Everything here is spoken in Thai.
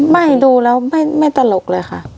ไม่ดูแล้วไม่ตลกเลยค่ะ